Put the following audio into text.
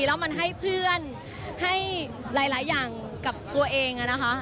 แล้วมันให้เพื่อนให้หลายอย่างกับตัวเองนะคะ